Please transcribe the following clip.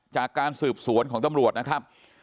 จากการสืบสวนของตำรวจนะครับ